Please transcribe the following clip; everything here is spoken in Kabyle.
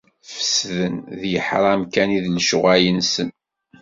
Fesden, d leḥram kan i d lecɣal-nsen.